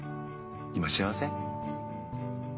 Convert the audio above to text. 今幸せ？